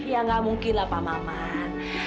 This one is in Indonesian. ya gak mungkin lah pak maman